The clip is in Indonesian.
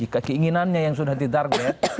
keinginannya yang sudah ditarget